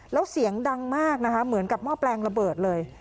แล้วเสียงดังมากนะคะเหมือนกับหม้อแปลงระเบิดเลย